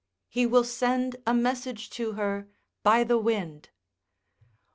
He will send a message to her by the wind.